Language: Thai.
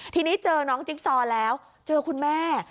ทีนี้เจอน้องจิ๊กซอแล้วเจอคุณแม่